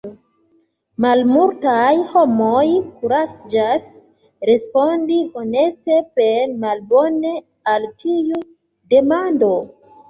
Malmultaj homoj kuraĝas respondi honeste per Malbone al tiu demando.